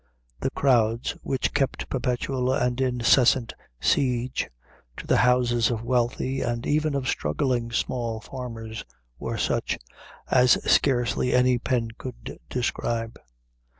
The crowds which kept perpetual and incessant siege to the houses of wealthy and even of struggling small farmers, were such! as scarcely any pen could describe.